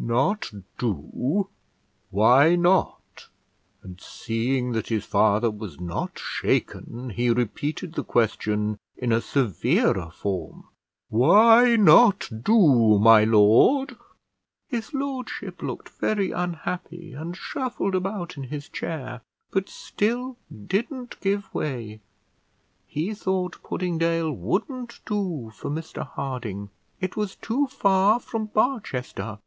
"Not do, why not?" and seeing that his father was not shaken, he repeated the question in a severer form: "Why not do, my lord?" His lordship looked very unhappy, and shuffled about in his chair, but still didn't give way; he thought Puddingdale wouldn't do for Mr Harding; it was too far from Barchester.